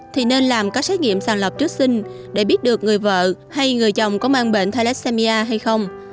thì nên làm các xét nghiệm sàng lọc trước sinh để biết được người vợ hay người chồng có mang bệnh thale hay không